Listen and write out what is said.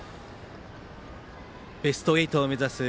ベスト８を目指す